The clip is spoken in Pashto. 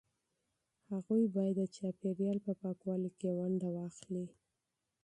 هغوی باید د چاپیریال په پاکوالي کې ونډه واخلي.